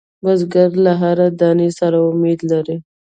بزګر له هر دانې سره امید لري